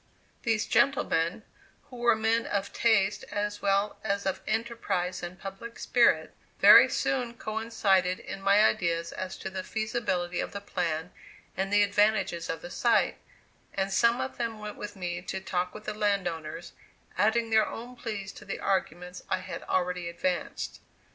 These gentlemen, who were men of taste as well as of enterprise and public spirit, very soon coincided in my ideas as to the feasibility of the plan and the advantages of the site; and some of them went with me to talk with the land owners, adding their own pleas to the arguments I had already advanced.